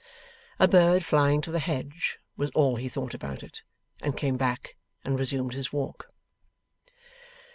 'A bird flying to the hedge,' was all he thought about it; and came back, and resumed his walk.